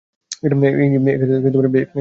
এই কি করছিস?